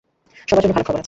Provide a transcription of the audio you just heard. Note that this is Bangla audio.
সবার জন্য ভালো খবর আছে।